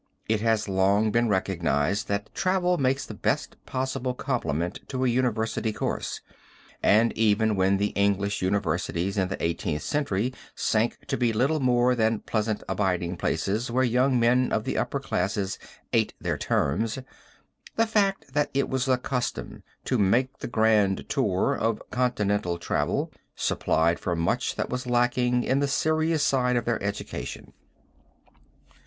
It has long been recognized that travel makes the best possible complement to a university course, and even when the English universities in the Eighteenth Century sank to be little more than pleasant abiding places where young men of the upper classes "ate their terms," the fact that it was the custom "to make the grand tour" of continental travel, supplied for much that was lacking in the serious side of their education.